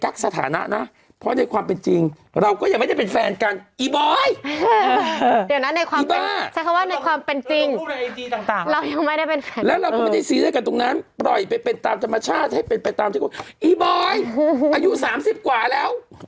อันนี้เขาก็ตอบว่าตอนนี้ยังไม่ได้เรียกว่าแฟนอีกอืมใช่ไหมล่ะ